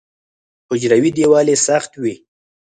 حجروي دیوال یې سخت وي.